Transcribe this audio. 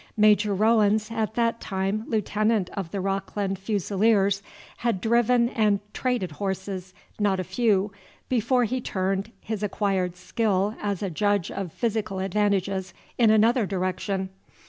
Major Rowens, at that time Lieutenant of the Rockland Fusileers, had driven and "traded" horses not a few before he turned his acquired skill as a judge of physical advantages in another direction.